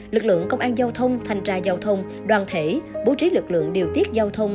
lực lượng công an giao thông thanh tra giao thông đoàn thể bố trí lực lượng điều tiết giao thông